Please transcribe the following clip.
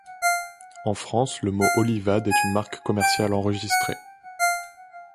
En France, le mot Olivade est une marque commerciale enregistrée.